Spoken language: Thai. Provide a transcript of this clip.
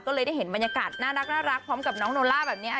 ก็เลยได้เห็นบรรยากาศน่ารักพร้อมกับน้องโนล่าแบบนี้